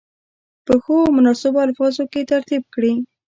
په ښو او مناسبو الفاظو کې ترتیب کړي.